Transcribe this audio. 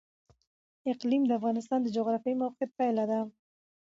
اقلیم د افغانستان د جغرافیایي موقیعت پایله ده.